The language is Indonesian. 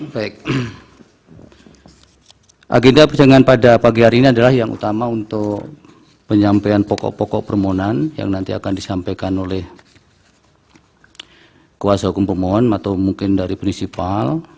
baik agenda persidangan pada pagi hari ini adalah yang utama untuk penyampaian pokok pokok permohonan yang nanti akan disampaikan oleh kuasa hukum pemohon atau mungkin dari penisipal